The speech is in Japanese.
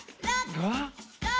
「が」？